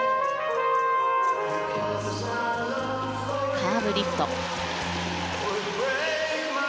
カーブリフト。